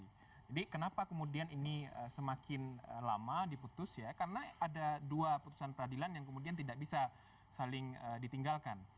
jadi kenapa kemudian ini semakin lama diputus ya karena ada dua putusan peradilan yang kemudian tidak bisa saling ditinggalkan